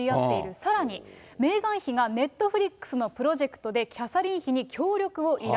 さらに、メーガン妃がネットフリックスのプロジェクトでキャサリン妃に協力を依頼。